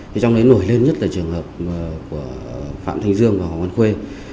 thì trong đấy nổi lên nhất là trường hợp của phạm thành dương và hoàng văn khê